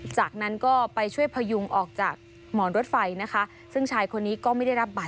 จากนั้นก็ไปช่วยพยุงออกจากหมอนรถไฟนะคะ